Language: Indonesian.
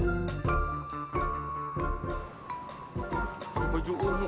bisa gak kalau bertemu ustadz atau ustadz